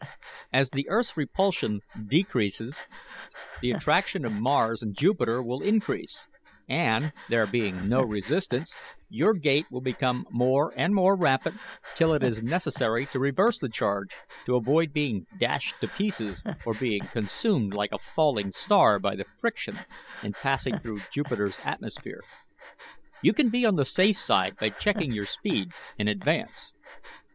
As the earth's repulsion decreases, the attraction of mars and Jupiter will increase, and, there being no resistance, your gait will become more and more rapid till it is necessary to reverse the charge to avoid being dashed to pieces or being consumed like a falling star by the friction in passing through Jupiter's atmosphere. You can be on the safe side by checking your speed in advance.